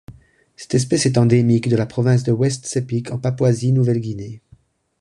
Cette espèce est endémique de la province de West Sepik en Papouasie-Nouvelle-Guinée.